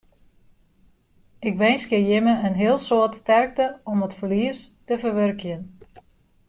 Ik winskje jimme in heel soad sterkte om it ferlies te ferwurkjen.